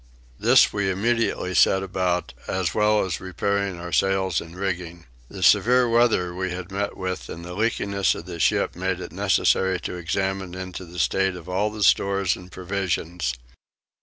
This we immediately set about, as well as repairing our sails and rigging. The severe weather we had met with and the leakiness of the ship made it necessary to examine into the state of all the stores and provisions.